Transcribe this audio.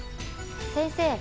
先生。